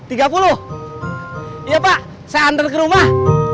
iya pak saya antar ke rumah